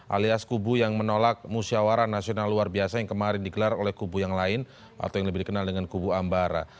alias kubu yang menolak musyawara nasional luar biasa yang kemarin digelar oleh kubu yang lain atau yang lebih dikenal dengan kubu ambara